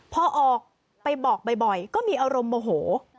พอออกไปบอกบ่อยก็มีอารมณ์โมโห